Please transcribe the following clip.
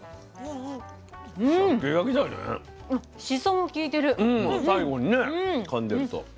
うん最後にねかんでると。